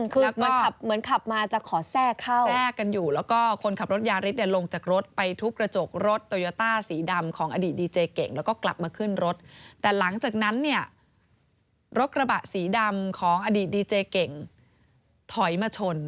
คือเหมือนขับเหมือนขับมาจะขอแทรกเข้าแทรกกันอยู่แล้วก็คนขับรถยาริสเนี่ยลงจากรถไปทุบกระจกรถโตโยต้าสีดำของอดีตดีเจเก่งแล้วก็กลับมาขึ้นรถแต่หลังจากนั้นเนี่ยรถกระบะสีดำของอดีตดีเจเก่งถอยมาชน